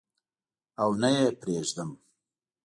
او نه یې پریدم